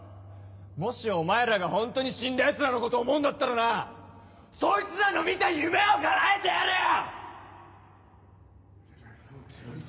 もしお前らがホントに死んだ奴らのことを思うんだったらなそいつらの見た夢を叶えてやれよ！